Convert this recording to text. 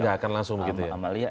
nggak akan langsung gitu ambali